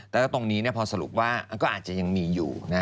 แล้วตรงนี้พอสรุปว่าก็อาจจะยังมีอยู่